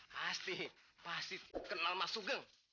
pasti pasti kenal masuk geng